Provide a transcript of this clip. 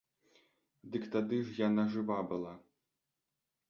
Дык тады ж яна жыва была.